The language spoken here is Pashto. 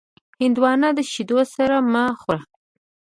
هندوانه د شیدو سره مه خوره.